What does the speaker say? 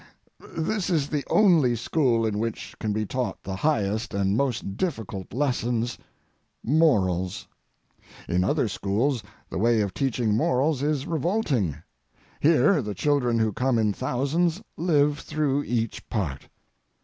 This is the only school in which can be taught the highest and most difficult lessons—morals. In other schools the way of teaching morals is revolting. Here the children who come in thousands live through each part.